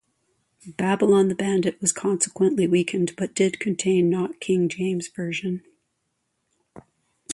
"Babylon The Bandit" was consequently weakened, but did contain "Not King James Version".